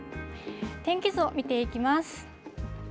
天気図を見ていきます。